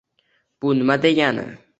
— Bu nima degani?